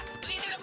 kau yang ngapain